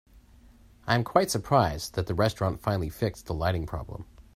I am quite surprised that the restaurant finally fixed the lighting problem.